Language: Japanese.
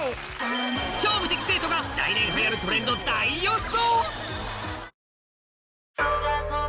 超無敵生徒が来年流行るトレンド大予想！